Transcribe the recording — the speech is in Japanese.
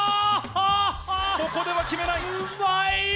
ここでは決めない！